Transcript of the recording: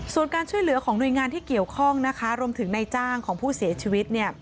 ส่วนการช่วยเหลือของหน่วยงานที่เกี่ยวข้องนะคะรวมถึงในจ้างของผู้เสียชีวิต